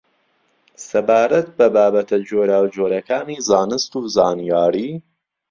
سەبارەت بە بابەتە جۆراوجۆرەکانی زانست و زانیاری